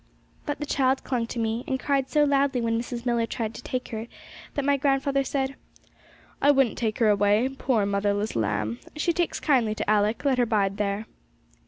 But the child clung to me, and cried so loudly when Mrs. Millar tried to take her, that my grandfather said, 'I wouldn't take her away, poor motherless lamb; she takes kindly to Alick; let her bide here.'